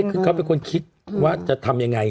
คือเขาเป็นคนคิดว่าจะทำยังไง